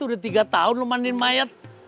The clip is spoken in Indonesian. udah tiga tahun lu mandiin mayat